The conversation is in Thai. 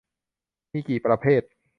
มีกี่ประเภท